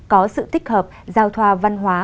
có sự thích hợp giao thoa văn hóa